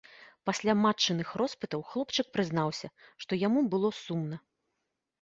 Пасля матчыных роспытаў хлопчык прызнаўся, што яму было сумна.